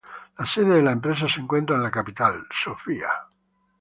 La sede de la empresa se encuentra en la capital, Sofía.